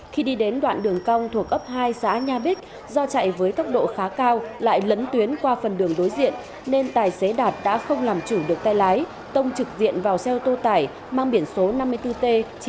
khi đi đến đoạn đường cong thuộc ấp hai xã nha bích do chạy với tốc độ khá cao lại lấn tuyến qua phần đường đối diện nên tài xế đạt đã không làm chủ được tay lái tông trực diện vào xe ô tô tải mang biển số năm mươi bốn t chín trăm bảy mươi